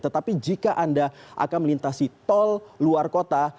tetapi jika anda akan melintasi tol luar kota